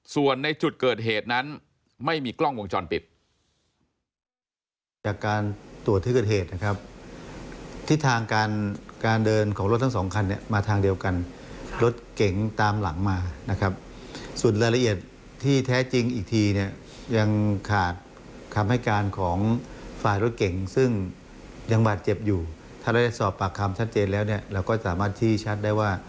ส่วนในจุดเกิดเหตุนั้นไม่มีกล้องวงจรปิด